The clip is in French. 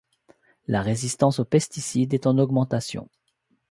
La résistance aux pesticides est en augmentation.